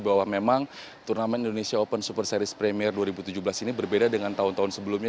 bahwa memang turnamen indonesia open super series premier dua ribu tujuh belas ini berbeda dengan tahun tahun sebelumnya